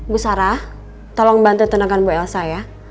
bu sarah tolong bantu tenangkan bu elsa ya